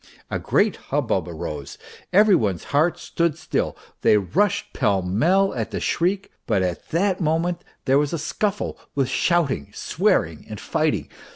A great hubbub arose, every one's heart stood still ; they rushed pell mell at the shriek, but at that moment there was a scuffle, with shouting, swearing, and fighting.